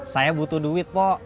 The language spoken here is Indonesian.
saya butuh duit pok